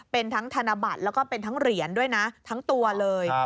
เป็นทั้งธนบัตรแล้วก็เป็นทั้งเหรียญด้วยนะทั้งตัวเลย